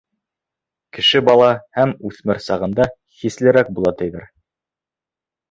Кеше бала һәм үҫмер сағында хислерәк була, тиҙәр.